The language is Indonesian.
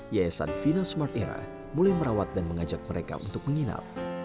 yayasan vina smart era mulai merawat dan mengajak mereka untuk menginap